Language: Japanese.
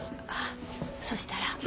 あっそしたら。